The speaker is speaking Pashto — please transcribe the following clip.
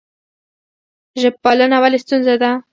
ژب پالنه ولې ستونزه ده؟